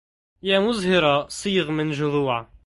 يا مزهرا صيغ من جذوع